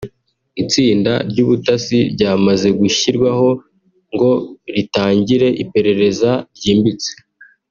itsinda ry’ubutasi ryamaze gushyirwaho ngo ritangire iperereza ryimbitse